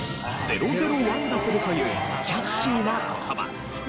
「ゼロゼロワンダフル」というキャッチーな言葉。